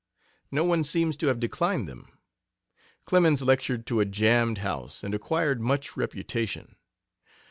No one seems to have declined them. Clemens lectured to a jammed house and acquired much reputation.